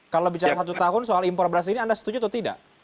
kalau bicara satu tahun soal impor beras ini anda setuju atau tidak